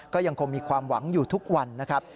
ก็ยังคงมีความหวังอยู่ทุกวันนะครับ